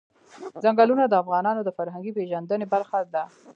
ځنګلونه د افغانانو د فرهنګي پیژندنې برخه ده.